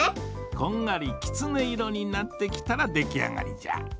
こんがりきつね色になってきたらできあがりじゃ。